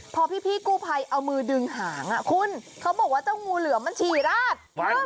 พอพี่กู้ภัยเอามือดึงหางคุณเขาบอกว่าเจ้างูเหลือมมันฉี่ราด